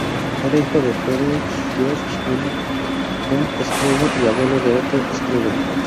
Era hijo de Friedrich Georg Wilhelm von Struve, y el abuelo de Otto Struve.